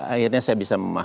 akhirnya saya bisa memperbaiki